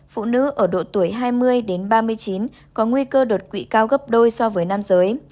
phụ nữ ở độ tuổi hai mươi đến ba mươi chín có nguy cơ đột quỵ cao gấp đôi so với nam giới